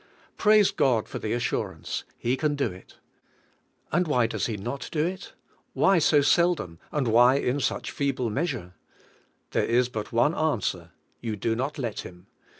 Praise God for the assurance; He can do it. And wh}^ does He not do it? Why so sel dom, and why in such feeble measure? There is WAITING ON GOD 45 but one answer: you do not let Him.